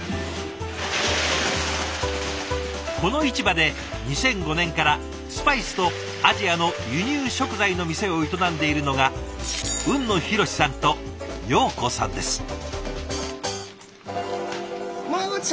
この市場で２００５年からスパイスとアジアの輸入食材の店を営んでいるのが海野博士さんと陽子さんです。